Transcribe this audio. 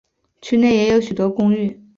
区内也有许多公寓。